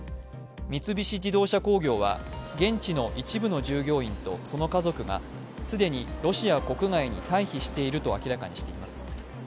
三菱自動車工業は現地の一部の従業員とその家族が既にロシア国外に退避していると明らかにしています。